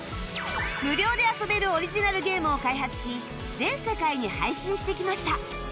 無料で遊べるオリジナルゲームを開発し全世界に配信してきました